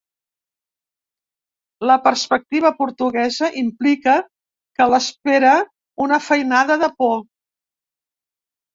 La perspectiva portuguesa implica que l'espera una feinada de por.